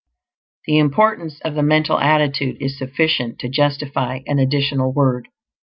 The importance of the mental attitude is sufficient to justify an additional word.